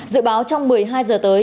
dự báo trong một mươi hai h tới